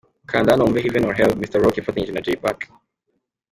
Kanda hano wumve'Heaven or Hell' Mr Rock yafatanyije na Jay Pac.